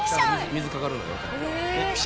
「水かかるのよ」